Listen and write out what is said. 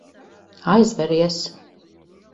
Aizveries.